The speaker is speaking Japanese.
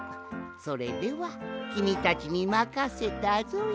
それではきみたちにまかせたぞい！